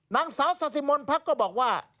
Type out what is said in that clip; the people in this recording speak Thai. นางสาวสะสิมนพรคก็บอกว่า